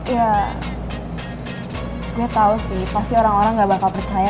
ya gue tau sih pasti orang orang gak bakal percaya